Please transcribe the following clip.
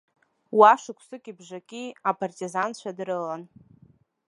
Уа шықәсыки бжаки апартизанцәа дрылан.